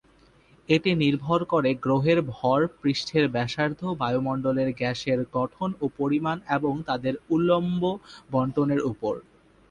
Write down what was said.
এটি নির্ভর করে গ্রহের ভর, পৃষ্ঠের ব্যাসার্ধ, বায়ুমণ্ডলের গ্যাসের গঠন ও পরিমাণ এবং তাদের উল্লম্ব বণ্টনের উপর।